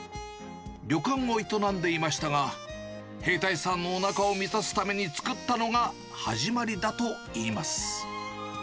旅館を営んでいましたが、兵隊さんのおなかを満たすために作ったのが始まりだといいます。